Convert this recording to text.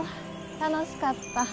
楽しかった。